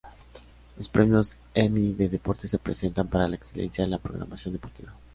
Los premios Emmy de Deportes se presentan para la excelencia en la programación deportiva.